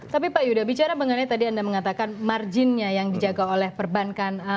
tapi pak yuda bicara mengenai tadi anda mengatakan marginnya yang dijaga oleh perbankan